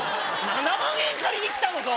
７万円借りにきたのか？